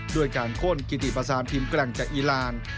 โดยการข้นกิธีประทานพิมธ์กลางจากอีราน